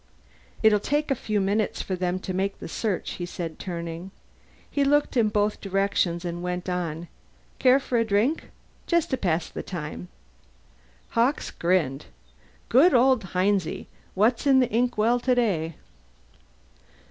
"It'll take a few minutes for them to make the search," he said, turning. He looked in both directions and went on, "Care for a drink? Just to pass the time?" Hawkes grinned. "Good old Hinesy! What's in the inkwell today?"